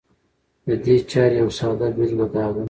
د دې چارې يوه ساده بېلګه دا ده